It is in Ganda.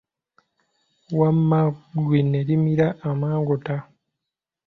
Wamma ggwe ne limira amangota.